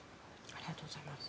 ありがとうございます。